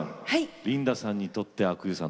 リンダさんにとって阿久悠さん